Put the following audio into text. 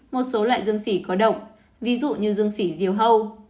một số loại dương sỉ có độc ví dụ như dương sỉ diều hâu